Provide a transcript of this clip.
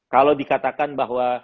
kalau dikatakan bahwa